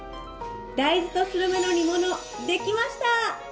大豆とするめの煮物できました！